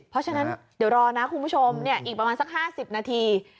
เพราะฉะนั้นเดี๋ยวรอนะคุณผู้ชมอีกประมาณสัก๕๐นาที